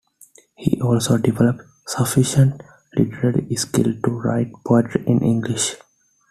He also developed sufficient literary skill to write poetry in English.